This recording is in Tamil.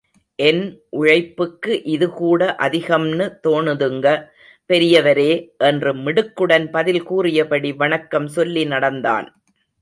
என் உழைப்புக்கு இது கூட அதிகம்னு தோணுதுங்க, பெரியவரே! என்று மிடுக்குடன் பதில் கூறியபடி, வணக்கம் சொல்லி நடந்தான்.